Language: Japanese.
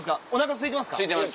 すいてます。